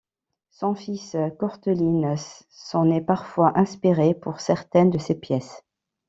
Son fils Courteline s'en est parfois inspiré pour certaines de ses pièces.